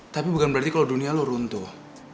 tapi bukan berarti kalau dunia lo runtuh